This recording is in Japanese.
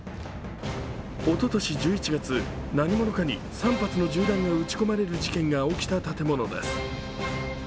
おととし１１月、何者かに３発の銃弾が撃ち込まれる事件が起きた建物です。